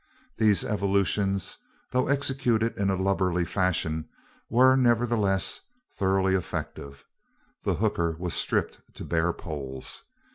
These evolutions, though executed in a lubberly fashion, were, nevertheless, thoroughly effective. The hooker was stripped to bare poles.